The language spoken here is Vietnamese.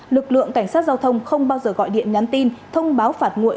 lực lượng cảnh sát giao thông không bao giờ gọi điện nhắn tin thông báo phạt nguội